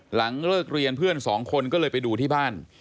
หลังเลิกเรียนเพื่อนสองคนก็เลยไปดูที่บ้าน